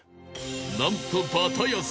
［なんとバタヤス］